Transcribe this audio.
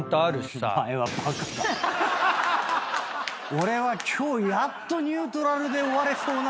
俺は今日やっとニュートラルで終われそうな。